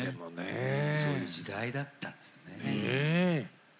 そういう時代だったんですね。